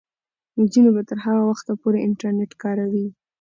نجونې به تر هغه وخته پورې انټرنیټ کاروي.